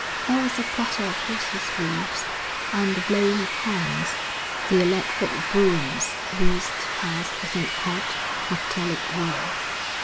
There was a clatter of horses' hoofs, and the blowing of horns; the electric broughams whizzed past with an odd, metallic whirr.